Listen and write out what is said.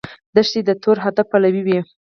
دښمن د تور هدف پلوي وي